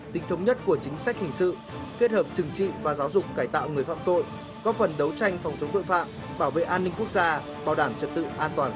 tính thống nhất của chính sách hình sự kết hợp trừng trị và giáo dục cải tạo người phạm tội góp phần đấu tranh phòng chống tội phạm bảo vệ an ninh quốc gia bảo đảm trật tự an toàn